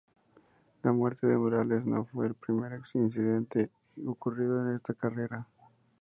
La muerte de Morales no fue el primer incidente ocurrido en esa carrera.